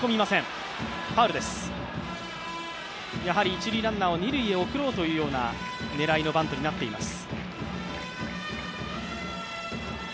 一塁ランナーを二塁へ送ろうという狙いのバントになっています。